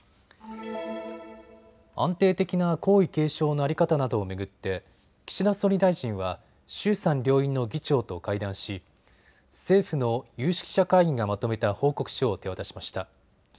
安定的な皇位継承の在り方などを巡って岸田総理大臣は衆参両院の議長と会談し、政府の有識者会議がまとめた報告書を手渡しました。